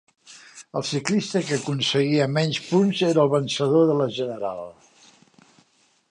El ciclista que aconseguia menys punts era el vencedor de la general.